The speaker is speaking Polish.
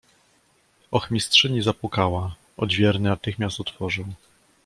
"Ochmistrzyni zapukała; odźwierny natychmiast otworzył."